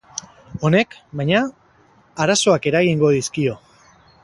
Honek, baina, arazoak eragingo dizkio.